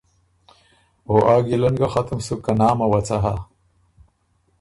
او آ ګیلۀ ن ګه ختُم سُک که نامه وه څۀ هۀ“